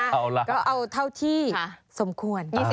เอาล่ะก็เอาเท่าที่สมควร